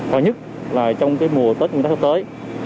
hoàn nhất là trong cái mùa tết chúng ta sắp tới